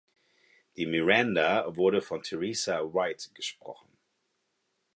Die Miranda wurde von Teresa Wright gesprochen.